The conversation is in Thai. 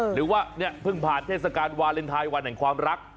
หรือว่าเนี่ยเพิ่งผ่านเทศกาลวาเลนไทยวันแห่งความรัก